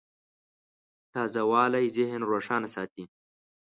تازهوالی ذهن روښانه ساتي.